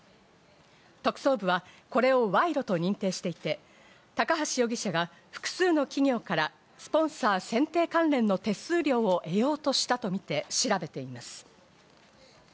特捜部はこれを賄賂と認定していて、高橋容疑者が複数の企業からスポンサー選定関連の手数料を得ようとしたとみて調べています。